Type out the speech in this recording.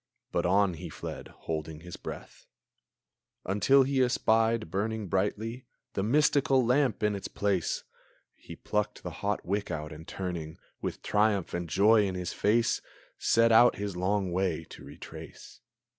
But on he fled, holding his breath, Until he espied, brightly burning, The mystical lamp in its place! He plucked the hot wick out, and, turning, With triumph and joy in his face, Set out his long way to retrace.